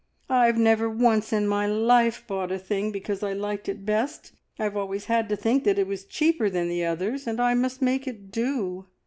I've never once in my life bought a thing because I liked it best. I've always had to think that it was cheaper than the others, and I must make it do.